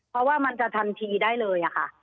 เพราะว่ามันจะทันทีได้เลยค่ะ